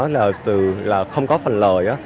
là không có phần lời